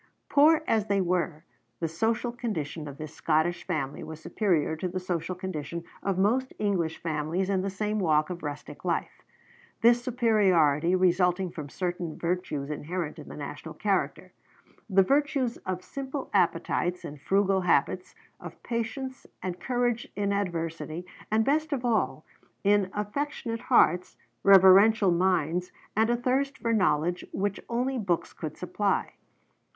Poor as they were, the social condition of this Scottish family was superior to the social condition of most English families in the same walk of rustic life; this superiority resulting from certain virtues inherent in the national character, the virtues of simple appetites and frugal habits, of patience and courage in adversity, and best of all, in affectionate hearts, reverential minds, and a thirst for knowledge which only books could supply.